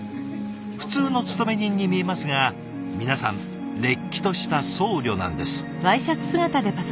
普通の勤め人に見えますが皆さんれっきとした僧侶なんです。